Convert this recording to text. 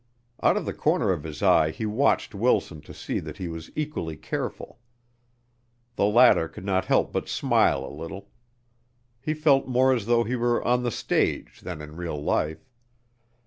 Out of the corner of his eye he watched Wilson to see that he was equally careful. The latter could not help but smile a little. He felt more as though he were on the stage than in real life.